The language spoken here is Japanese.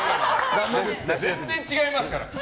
全然、違いますから。